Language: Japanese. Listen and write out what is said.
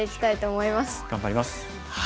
頑張ります。